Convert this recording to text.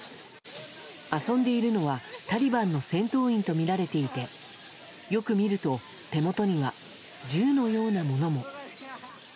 遊んでいるのはタリバンの戦闘員とみられていてよく見ると手元には銃のようなものも。